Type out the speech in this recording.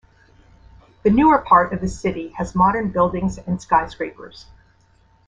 The newer part of the city has modern buildings and skyscrapers.